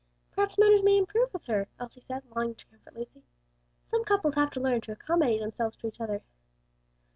"Perhaps matters may improve with her," Elsie said, longing to comfort Lucy. "Some couples have to learn to accommodate themselves to each other."